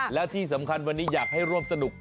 และที่สำคัญวันนี้อยากให้ร่วมสนุก